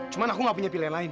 cuma aku gak punya pilihan lain